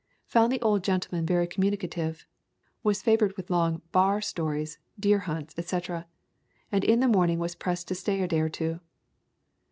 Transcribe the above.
Found the old gentleman very com municative. Was favored with long "bar" stories, deer hunts, etc., and in the morning was pressed to stay a day or two.